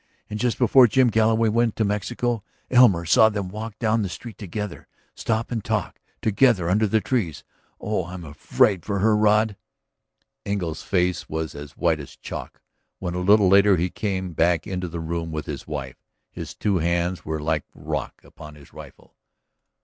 And, just before Jim Galloway went to Mexico, Elmer saw them walk down the street together, stop and talk together under the trees. ... Oh, I'm afraid for her, Rod!" Engle's face was as white as chalk when a little later he came back into the room with his wife; his two hands were like rock upon his rifle.